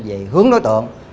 về hướng đối tượng